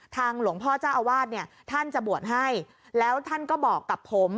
หลวงพ่อเจ้าอาวาสเนี่ยท่านจะบวชให้แล้วท่านก็บอกกับผม